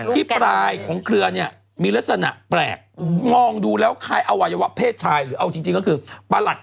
ที่ปลายของเครือเนี่ยมีลักษณะแปลกมองดูแล้วใครเอาไว้ว่าเพศชายเอาจริงก็คือประหลักฮิต